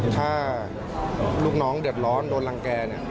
ถ้าลูกน้องเดือดร้อนโดนรังแก่เนี่ย